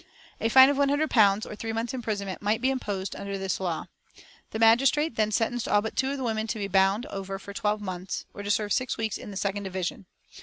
A fine of one hundred pounds, or three months' imprisonment, might be imposed under this law. The magistrate then sentenced all but two of the women to be bound over for twelve months, or to serve six weeks in the second division.